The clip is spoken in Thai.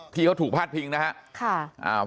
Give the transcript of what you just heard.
ที่เขาถูกพาดพิงนะครับ